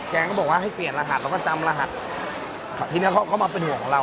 แกก็บอกว่าให้เปลี่ยนรหัสแล้วก็จำรหัสทีนี้เขาก็มาเป็นห่วงของเรา